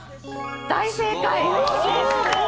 大正解！